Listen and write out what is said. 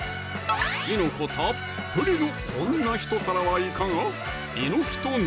きのこたっぷりのこんな一皿はいかが？